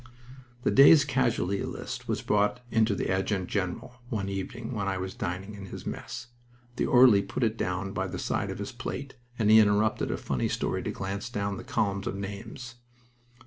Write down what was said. The day's casualty list was brought into the adjutant general one evening when I was dining in his mess. The orderly put it down by the side of his plate, and he interrupted a funny story to glance down the columns of names.